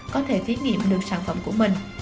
có thể thiết nghiệm được sản phẩm của mình